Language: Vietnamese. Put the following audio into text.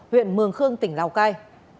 huyện mường khương tỉnh lào cai